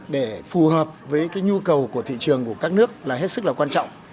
để phù hợp với cái nhu cầu của thị trường của các nước là hết sức là quan trọng